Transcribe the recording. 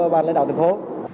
và lãnh đạo thành phố